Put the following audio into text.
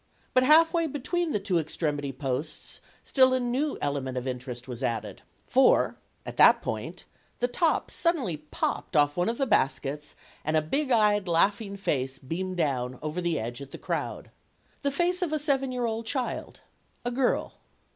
But half way between the two extremity posts, still a new element of interest was added. 42 STORIES OF THE SUPER WOMEN For, at that point, the top suddenly popped off one of the baskets, and a big eyed, laughing face beamed down, over the edge, at the crowd. The face of a seven year old child a girl.